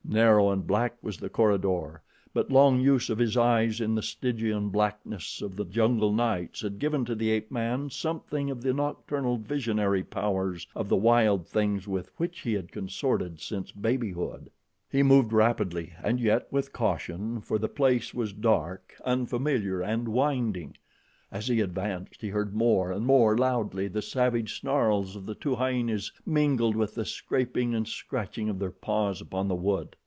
Narrow and black was the corridor; but long use of his eyes in the Stygian blackness of the jungle nights had given to the ape man something of the nocturnal visionary powers of the wild things with which he had consorted since babyhood. He moved rapidly and yet with caution, for the place was dark, unfamiliar and winding. As he advanced, he heard more and more loudly the savage snarls of the two hyenas, mingled with the scraping and scratching of their paws upon wood.